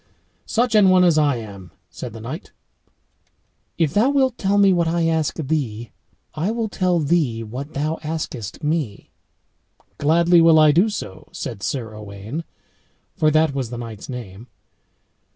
"Such an one as I am," said the knight. "If thou wilt tell me what I ask thee, I will tell thee what thou askest me." "Gladly will I do so," said Sir Owain, for that was the knight's name.